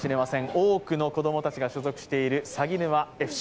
多くの子供たちが所属しているさぎぬまＳＣ。